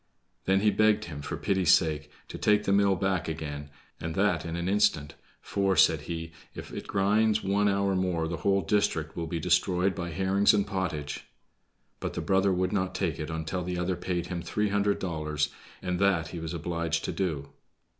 Then he begged him, for pity's sake, to take the mill back again, and that in an instant, "for," said he, "if it grind one hour more the whole district will be destroyed by herrings and pottage." But the brother would not take it until the other paid him three hundred dollars, and that he was obliged to do.